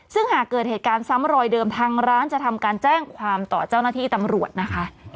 ซึ่งหากเกิดเหตุการณ์ซ้ำรอยเดิมทางร้านจะทำการแจ้งความต่อเจ้าหน้าที่ตำรวจนะคะ